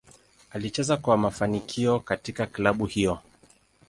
Alicheza kwa kwa mafanikio katika klabu hiyo.